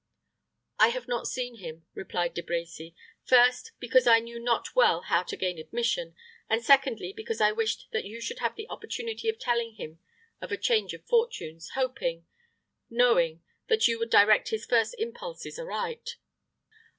"I have not seen him," replied De Brecy, "first, because I knew not well how to gain admission, and, secondly, because I wished that you should have the opportunity of telling him of a change of fortunes, hoping knowing that you would direct his first impulses aright."